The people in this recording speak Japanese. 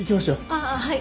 ああはい。